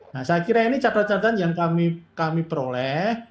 nah saya kira ini catatan catatan yang kami peroleh